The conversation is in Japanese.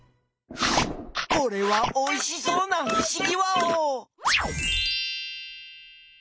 これはおいしそうなふしぎワオ！